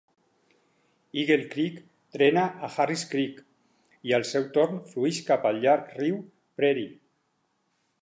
Eagle Creek drena a Harris Creek, i al seu torn flueix cap al llarg riu Prairie.